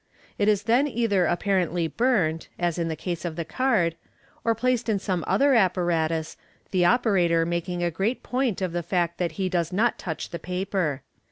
It is then either apparently burnt (as in the case of the card), or placed in some other apparatus, the operator making a great point of the fact that he does not touch the paper.